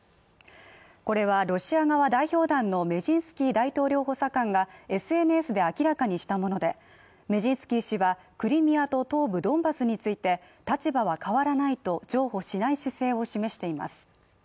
これはロシア側代表団のメジンスキー大統領補佐官がＳＮＳで明らかにしたもので、メジンスキー氏はクリミアと東部ドンバスについて立場は変わらないと譲歩しない姿勢を示しています。